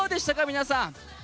皆さん。